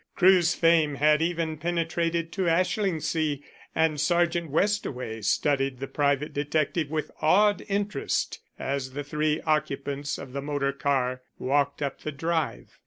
Crewe's fame had even penetrated to Ashlingsea, and Sergeant Westaway studied the private detective with awed interest as the three occupants of the motor car walked up the drive.